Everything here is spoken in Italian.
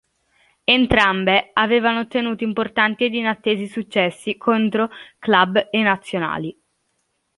Entrambe avevano ottenuto importanti ed inattesi successi contro club e nazionali.